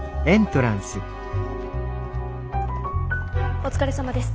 お疲れさまです。